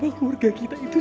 aku sudah hati dua